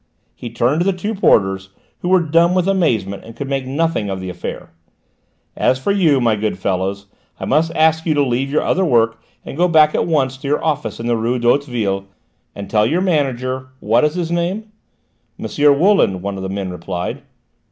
He turned to the two porters, who were dumb with amazement and could make nothing of the affair. "As for you, my good fellows, I must ask you to leave your other work and go back at once to your office in the rue d'Hauteville and tell your manager what is his name?" "M. Wooland," one of the men replied.